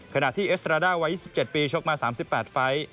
ขณะที่เอสตราด้าวัย๒๗ปีชกมา๓๘ไฟล์